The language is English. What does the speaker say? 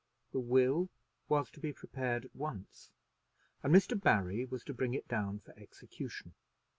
The will was to be prepared at once, and Mr. Barry was to bring it down for execution.